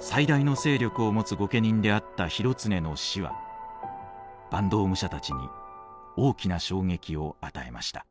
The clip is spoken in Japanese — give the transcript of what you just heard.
最大の勢力を持つ御家人であった広常の死は坂東武者たちに大きな衝撃を与えました。